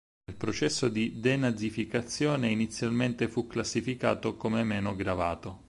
Nel processo di denazificazione, inizialmente fu classificato come meno gravato.